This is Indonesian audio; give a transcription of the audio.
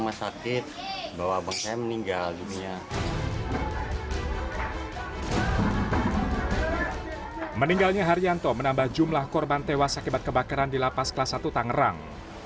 meninggalnya haryanto menambah jumlah korban tewas akibat kebakaran di lapas kelas satu tangerang